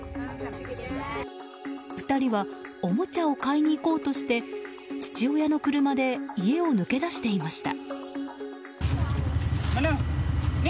２人はおもちゃを買いに行こうとして父親の車で家を抜け出していました。